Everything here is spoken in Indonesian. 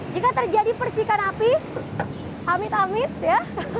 jika terjadi percikan api amit amit ya